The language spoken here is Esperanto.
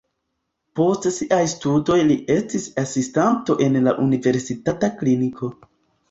Post siaj studoj li estis asistanto en la universitata kliniko.